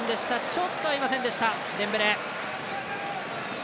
ちょっと合いませんでしたデンベレ。